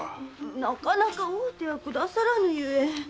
なかなか会うてはくださらぬゆえ。